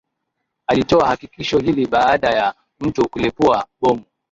akitoa hakikisho hili baada ya mtu kulipua bomu